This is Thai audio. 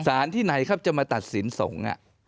ที่ไหนครับจะมาตัดสินสงฆ์